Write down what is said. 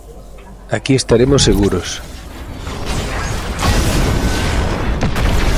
_Aquí estaremos seguros.